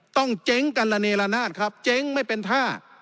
เจ๊งกันระเนละนาดครับเจ๊งไม่เป็นท่า